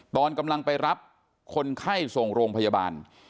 ตอนกำลังไปรับคนไข้ส่งโรงพยาบาล